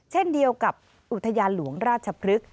เช่นเดียวกับอุทยานหลวงราชพฤกษ์